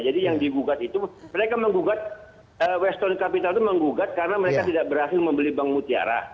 jadi yang digugat itu mereka mengugat western capital itu mengugat karena mereka tidak berhasil membeli bank mutiara